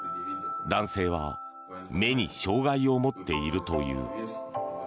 男性は目に障害を持っているという。